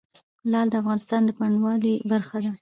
لعل د افغانستان د بڼوالۍ برخه ده.